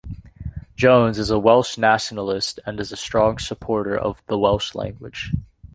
Jones is a Welsh nationalist and is a strong supporter of the Welsh language.